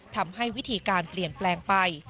ทำให้วิธีการเปลี่ยนแปลงไป